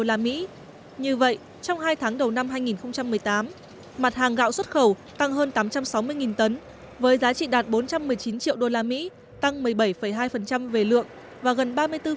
như vậy trong hai tháng đầu năm hai nghìn một mươi tám mặt hàng gạo xuất khẩu tăng hơn tám trăm sáu mươi tấn với giá trị đạt bốn trăm một mươi chín triệu usd tăng một mươi bảy hai về lượng và gần ba mươi bốn